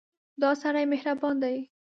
دا سړی مهربان دی.